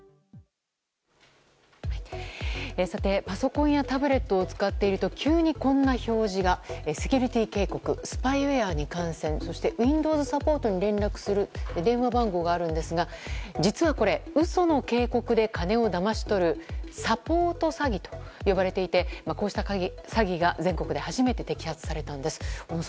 パソコンやタブレットを使っていると急にこんな表示が。セキュリティー警告スパイウェアに感染そしてウィンドウズサポートに連絡する電話番号があるんですが実はこれ、嘘の警告で金をだまし取るサポート詐欺と呼ばれていてこうした詐欺が全国で初めて摘発されたんです。